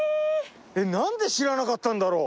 何で知らなかったんだろう。